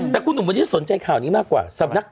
แต่คุณหนุ่มวันนี้สนใจข่าวนี้มากกว่าสำนัก